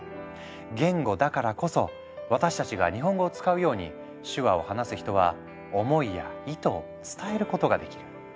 言語だからこそ私たちが日本語を使うように手話を話す人は思いや意図を伝えることができる。